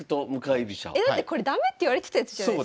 えだってこれ駄目っていわれてたやつじゃないですか。